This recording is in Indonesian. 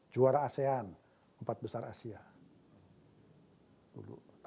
juara asean empat besar asia